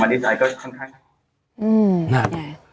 มาเดตาสายก็ค่อนข้างค่ะนะครับอืมไม่